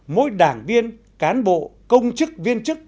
mỗi đảng viên cán bộ công chức viên chức